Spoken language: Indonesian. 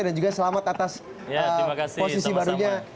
dan juga selamat atas posisi barunya